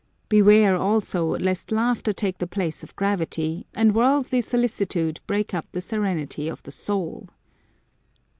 Beware, also, lest laughter take the place of gravity, and worldly solicitude break up the serenity of the soul."